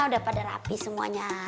udah pada rapi semuanya